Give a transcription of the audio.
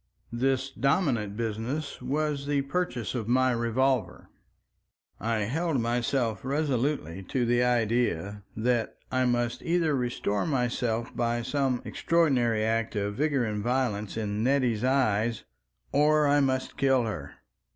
This dominant business was the purchase of my revolver. I held myself resolutely to the idea that I must either restore myself by some extraordinary act of vigor and violence in Nettie's eyes or I must kill her.